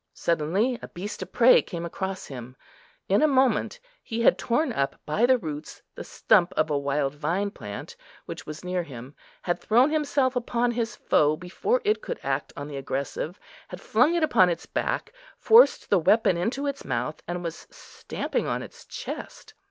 Suddenly a beast of prey came across him; in a moment he had torn up by the roots the stump of a wild vine plant, which was near him; had thrown himself upon his foe before it could act on the aggressive, had flung it upon its back, forced the weapon into its mouth, and was stamping on its chest.